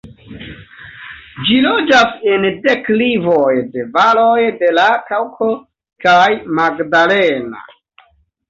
Ĝi loĝas en deklivoj de valoj de la Kaŭko kaj Magdalena.